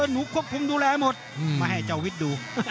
หนูควบคุมดูแลหมดมาให้เจ้าวิทย์ดู